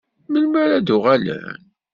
Melmi ara d-uɣalen?